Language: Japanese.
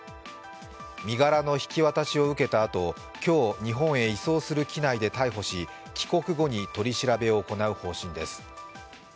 身柄の引き渡しを受けたあと、今日、日本へ移送する機内で逮捕し、帰国後に取り調べを行う方針です。